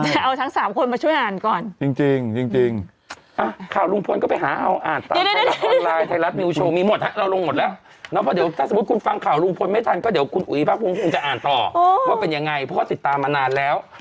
ถ้าสมมุติคุณฟังข่าวลุงพลไม่ทันก็เดี๋ยวคุณอุยภาคภูมิคุณจะอ่านต่อว่าเป็นยังไงเพราะติดตามมานานแล้ว